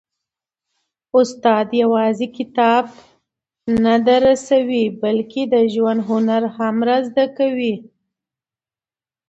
استاد یوازي کتاب نه درسوي، بلکي د ژوند هنر هم را زده کوي.